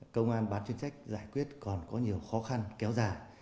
công an bán chuyên trách giải quyết còn có nhiều khó khăn kéo dài